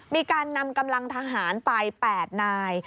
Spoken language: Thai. มีการนำกำลังทหารไป๘นาย